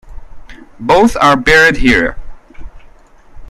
Both are buried here.